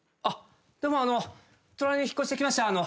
あっどうもあの隣に引っ越してきました。